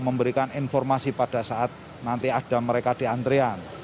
memberikan informasi pada saat nanti ada mereka di antrian